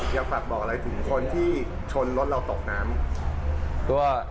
อยากฝากบอกอะไรถึงคนที่ชนรถเราตกน้ำ